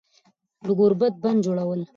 د گوربت بندجوړول